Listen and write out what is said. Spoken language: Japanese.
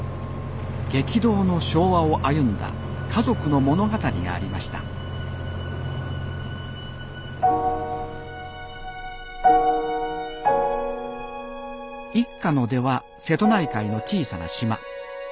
激動の昭和を歩んだ家族の物語がありました一家の出は瀬戸内海の小さな島。